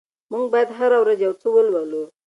موږ بايد هره ورځ يو څه ولولو.